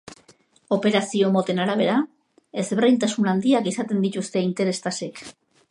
Operazio-moten arabera, ezberdintasun handiak izaten dituzte interes-tasek.